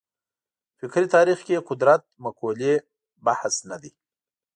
فکري تاریخ کې قدرت مقولې بحث نه دی.